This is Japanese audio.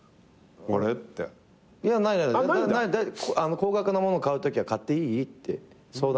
高額なもの買うときは買っていい？って相談する。